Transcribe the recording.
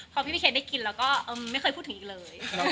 พอพี่เคนได้กินแล้วก็ไม่เคยพูดถึงอีกเลย